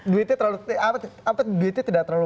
duitnya tidak terlalu